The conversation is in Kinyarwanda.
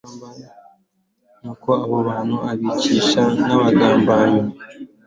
nuko abo bantu abicisha nk'abagambanyi